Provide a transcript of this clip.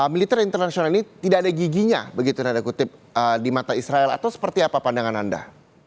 militer internasional ini tidak ada giginya begitu nanda kutip di mata israel atau seperti apa pandangan anda